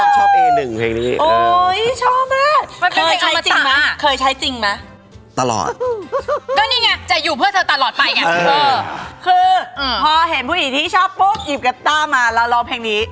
คือพอเห็นผู้หญิงที่ชอบปุ๊บหยิบกระต้ามาแล้วร้องเพลงนี้